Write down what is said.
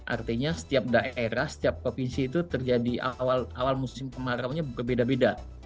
artinya setiap daerah setiap provinsi itu terjadi awal musim kemarau nya berbeda beda